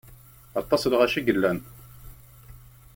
Aṭas n lɣaci i yellan.